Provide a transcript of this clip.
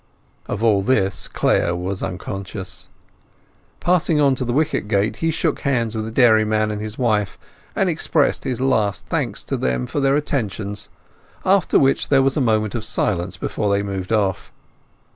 Of all this Clare was unconscious. Passing on to the wicket gate he shook hands with the dairyman and his wife, and expressed his last thanks to them for their attentions; after which there was a moment of silence before they had moved off.